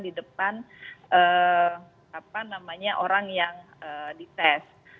tidak dilakukan di depan orang yang dites